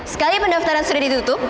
sekali pendaftaran sudah ditutup